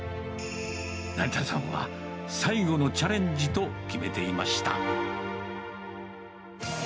成田さんは、最後のチャレンジと決めていました。